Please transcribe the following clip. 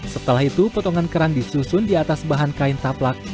setelah itu potongan kerang disusun di atas bahan kain taplak